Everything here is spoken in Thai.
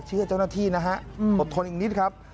เจ้าหน้าที่นะฮะอดทนอีกนิดครับ